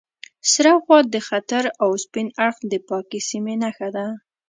سره خوا د خطر او سپین اړخ د پاکې سیمې نښه ده.